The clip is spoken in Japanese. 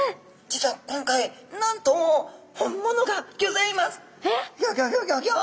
実は今回なんと本物がギョざいます！